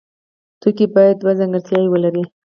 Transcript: توکی باید دوه ځانګړتیاوې ولري.